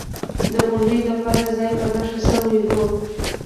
د غونډې لپاره ځای په نښه شوی و.